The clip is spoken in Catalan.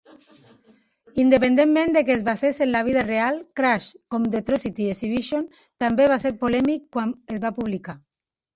Independentment de que es basés en la vida real, "Crash", com "The Atrocity Exhibition", també va ser polèmic quan es va publicar.